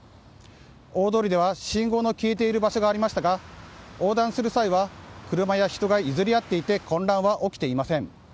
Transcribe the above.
大通りでは信号の消えている場所がありましたが横断する際は車や人が譲り合って混乱は起きていません。